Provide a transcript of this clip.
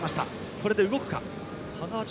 これで動くか。